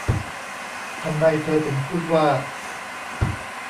'ทำไมเธอถึงพูดว่า'